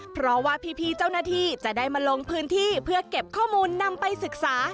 เพราะว่าพี่เจ้าหน้าที่จะได้มาลงพื้นที่เพื่อเก็บข้อมูลนำไปศึกษา